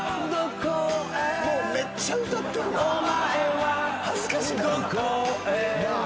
もうめっちゃ歌ってるやん。